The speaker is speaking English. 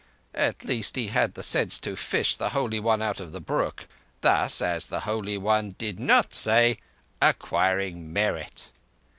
At least he had the sense to fish the Holy One out of the brook; thus, as the Holy One did not say, acquiring merit."